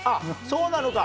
そうなのか。